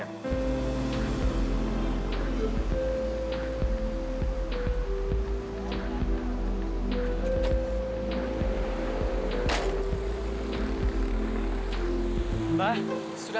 kalau tidak dijebang juga